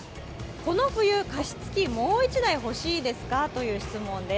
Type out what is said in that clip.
この冬、加湿器もう１台欲しいですかという質問です。